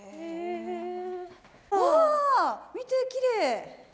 わあ見てきれい。